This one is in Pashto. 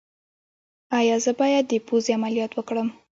ایا زه باید د پوزې عملیات وکړم؟